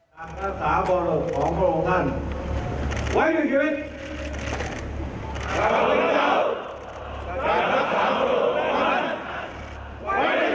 กับลักษณะประโยชน์ประวัติภัณฑ์ไว้ด้วย